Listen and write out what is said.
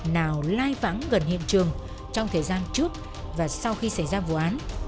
nào lai vắng gần hiện trường trong thời gian trước và sau khi xảy ra vụ án